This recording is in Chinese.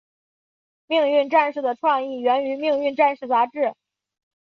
命运战士的创意源于命运战士杂志。